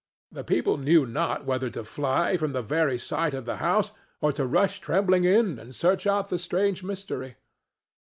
The people knew not whether to fly from the very sight of the house or to rush trembling in and search out the strange mystery.